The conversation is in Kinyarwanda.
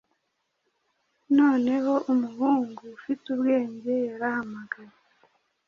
Noneho umuhungu ufite ubwenge yarahamagaye